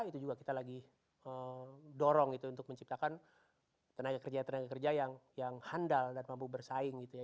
itu juga kita lagi dorong gitu untuk menciptakan tenaga kerja tenaga kerja yang handal dan mampu bersaing gitu ya